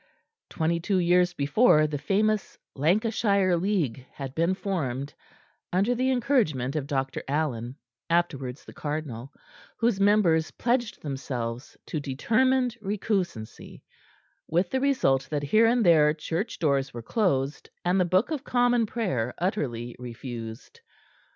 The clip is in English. Twenty two years before the famous Lancashire League had been formed, under the encouragement of Dr. Allen, afterwards the Cardinal, whose members pledged themselves to determined recusancy; with the result that here and there church doors were closed, and the Book of Common Prayer utterly refused.